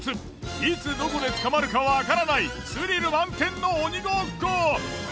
いつどこで捕まるかわからないスリル満点の鬼ごっこ！